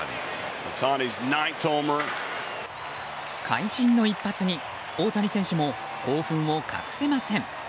会心の一発に大谷選手も興奮を隠せません。